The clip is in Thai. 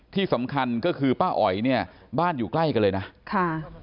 ที่สำคัญก็คือป้าอ๋อยเนี่ยบ้านอยู่ใกล้กันเลยนะค่ะ